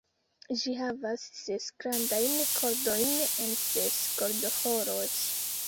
Ĝi havas ses grandajn kordojn en ses kordoĥoroj.